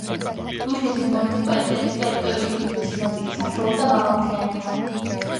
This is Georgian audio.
დუშეთის მუნიციპალიტეტის ტერიტორიის უდიდესი ნაწილი საშუალო და მაღალმთიანია.